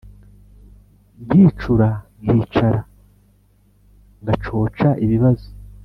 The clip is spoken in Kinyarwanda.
nkicura nkicara ngacoca ibibazo